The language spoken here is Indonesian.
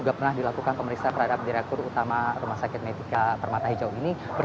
juga pernah dilakukan pemeriksaan terhadap direktur utama rumah sakit medika permata hijau ini